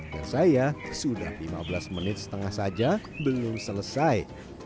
dan saya sudah lima belas menit setengah saja belum selesai